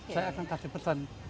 saya akan kasih pesan